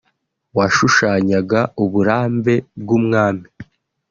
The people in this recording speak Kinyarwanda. washushanyaga uburambe bw’umwami